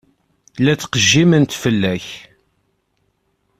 La ttqejjiment fell-ak.